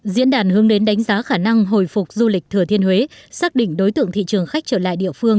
diễn đàn hướng đến đánh giá khả năng hồi phục du lịch thừa thiên huế xác định đối tượng thị trường khách trở lại địa phương